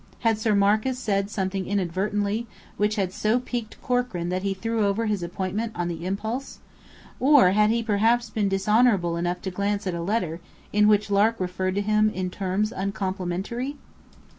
Had Sir Marcus said something inadvertently, which had so piqued Corkran that he threw over his appointment on the impulse? Or had he perhaps been dishonourable enough to glance at a letter, in which Lark referred to him in terms uncomplimentary?